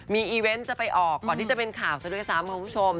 มีอีเวนต์จะไปออกก่อนที่จะเป็นข่าวซะด้วยซ้ำคุณผู้ชม